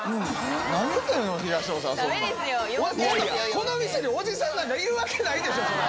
この店でおじさんなんかいるわけないでしょそら。